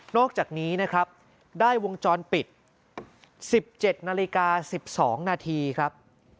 อกจากนี้นะครับได้วงจรปิด๑๗นาฬิกา๑๒นาทีครับ